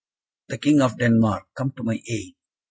"The King of Denmark! Come to my aid!"